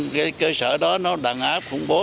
và cơ sở đó đàn áp khủng bố